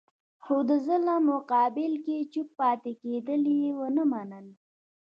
خو د ظلم مقابل کې چوپ پاتې کېدل یې ونه منل.